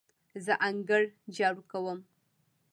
زه انګړ جارو کوم.